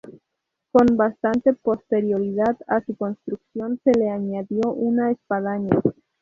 Con bastante posterioridad a su construcción se le añadió una espadaña.